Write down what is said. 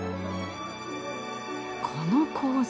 この構図